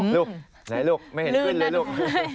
ลูกไหนลูกไม่เห็นขึ้นเลยลูก